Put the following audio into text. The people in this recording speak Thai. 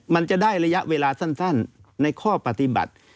มันจะได้ระยะเวลาสั้นในข้อปฏิบัติ